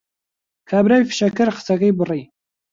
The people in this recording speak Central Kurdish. کابرای فشەکەر قسەکەی بڕی